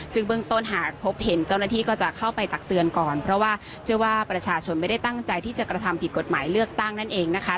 ซึ่งเบื้องต้นหากพบเห็นเจ้าหน้าที่ก็จะเข้าไปตักเตือนก่อนเพราะว่าเชื่อว่าประชาชนไม่ได้ตั้งใจที่จะกระทำผิดกฎหมายเลือกตั้งนั่นเองนะคะ